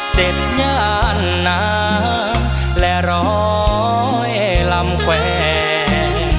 เจ็ดหญานนามและร้อยล้ำแขวน